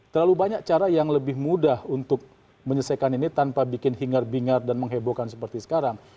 terlalu banyak cara yang lebih mudah untuk menyelesaikan ini tanpa bikin hingar bingar dan menghebohkan seperti sekarang